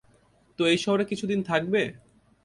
তো এই শহরে কিছুদিন থাকবে?